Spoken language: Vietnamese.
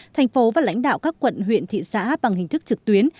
thành phố và lãnh đạo các quận huyện thị xã bằng hình thức trực tuyến